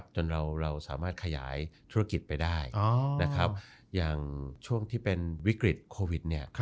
จนเราสามารถขยายธุรกิจไปได้อย่างช่วงที่เป็นวิกฤตโควิด